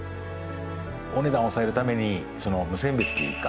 お値段抑えるために無選別っていうか。